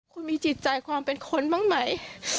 คุณมีจิตใจความเป็นคนบ้างไหม